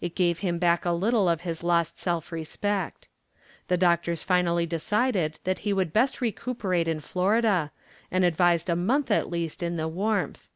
It gave him back a little of his lost self respect. The doctors finally decided that he would best recuperate in Florida, and advised a month at least in the warmth.